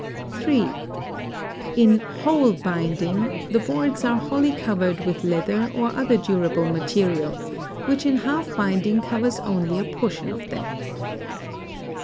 (3) In whole binding, the boards are wholly covered with leather or other durable material, which in half binding covers only a portion of them.